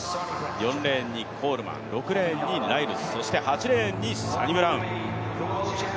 ４レーンにコールマン、６レーンにライルズ、そして８レーンにサニブラウン。